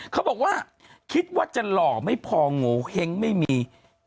เขาบอกว่าคิดว่าจะหล่อไม่พอโงเห้งไม่มี